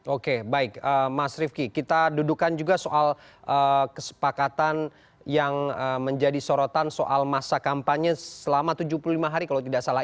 oke baik mas rifki kita dudukan juga soal kesepakatan yang menjadi sorotan soal masa kampanye selama tujuh puluh lima hari kalau tidak salah